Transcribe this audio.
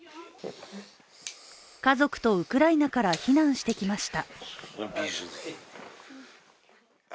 家族とウクライナから避難してきました。